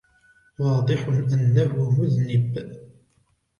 واضح أنه مذنب.